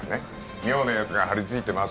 妙なやつが張りついてます